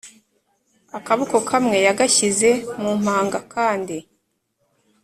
akaboko kamwe yagashyize mumpanga akandi